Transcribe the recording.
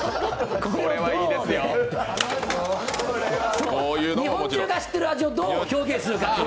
日本中が知ってる味をどう表現するか。